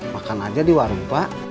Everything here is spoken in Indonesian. makan aja di warung pak